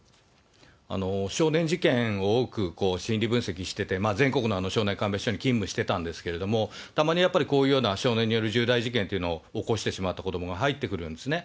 少年事件を多く心理分析していて、全国の少年鑑別所に勤務してたんですけれども、たまにやっぱりこういうような、少年による重大事件っていうのを起こしてしまった子どもが入ってくるんですね。